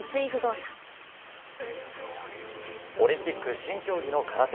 オリンピック新競技の空手。